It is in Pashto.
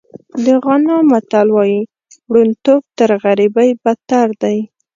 د غانا متل وایي ړوندتوب تر غریبۍ بدتر دی.